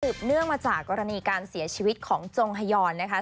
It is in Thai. เนื่องมาจากกรณีการเสียชีวิตของจงฮยอนนะคะ